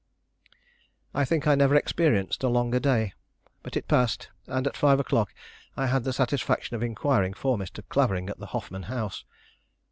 I think I never experienced a longer day; but it passed, and at five o'clock I had the satisfaction of inquiring for Mr. Clavering at the Hoffman House.